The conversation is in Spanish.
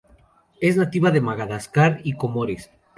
Es nativa de Madagascar y Comores.